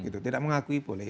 tidak mengakui boleh